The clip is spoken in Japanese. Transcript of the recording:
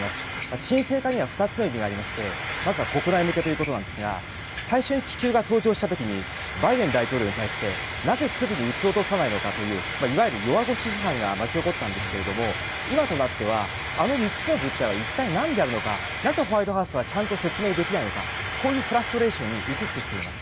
鎮静化には２つの意味がありましてまずは国内向けということですが最初に気球が登場した時にバイデン大統領に対してなぜすぐに撃ち落とさないのかという弱腰批判が巻き起こったわけですが今となっては、あの３つの物体は一体何であるのかなぜホワイトハウスはちゃんと説明できないのかというフラストレーションに移ってきています。